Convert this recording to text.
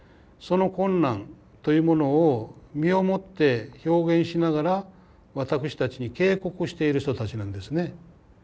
その困難というものを身をもって表現しながら私たちに警告している人たちなんですね。